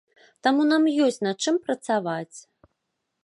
Таму нам ёсць над чым працаваць.